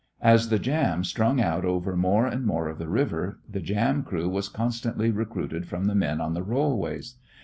As the "jam" strung out over more and more of the river, the jam crew was constantly recruited from the men on the rollways.